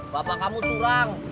bapak kamu curang